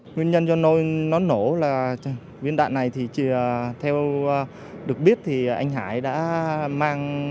nguyên nhân do nó nổ là viên đạn này thì theo được biết thì anh hải đã mạng